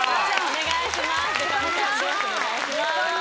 お願いします。